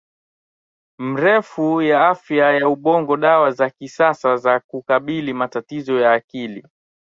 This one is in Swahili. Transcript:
mrefu ya afya ya ubongo Dawa za kisasa za kukabili matatizo ya akili